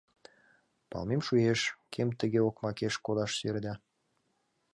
— Палымем шуэш: кӧм тыге окмакеш кодаш сӧреда?